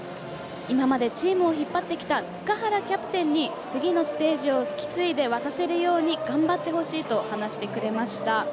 今までチームを引っ張ってきた塚原キャプテンに次のステージを引き継いで渡せるように頑張ってほしいと話してくれました。